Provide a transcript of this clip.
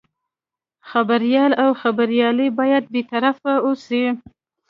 خبریال او خبریالي باید بې طرفه اوسي.